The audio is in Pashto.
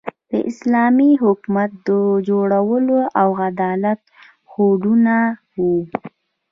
د اسلامي حکومت د جوړولو او عدالت هوډونه وو.